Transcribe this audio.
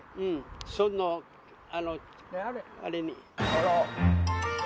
あら。